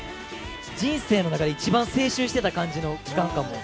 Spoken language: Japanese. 人生の中で一番青春してた感じの期間かも。